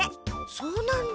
そうなんだ。